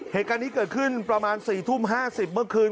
เหตุการณ์นี้เกิดขึ้นประมาณ๔ทุ่ม๕๐เมื่อคืน